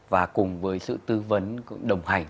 và cùng với sự tư vấn đồng hành